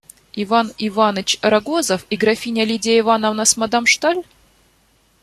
Иван Иваныч Рагозов и графиня Лидия Ивановна с мадам Шталь?